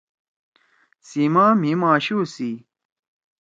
سیما مھی ماشو سی